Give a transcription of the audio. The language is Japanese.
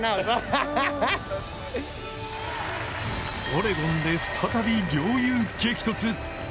オレゴンで再び、両雄激突。